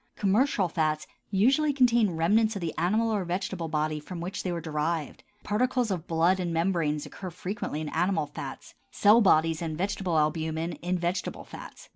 Commercial fats usually contain remnants of the animal or vegetable body from which they are derived: particles of blood and membranes occur frequently in animal fats; cell bodies and vegetable albumin in vegetable fats.